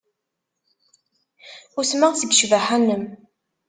Usmeɣ seg ccbaḥa-nnem.